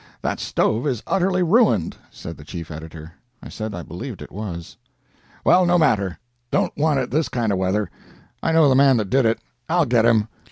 "That stove is utterly ruined," said the chief editor. I said I believed it was. "Well, no matter don't want it this kind of weather. I know the man that did it. I'll get him.